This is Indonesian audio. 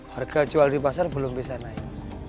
harga jual di pasar belum bisa naik